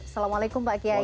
assalamualaikum pak kiyai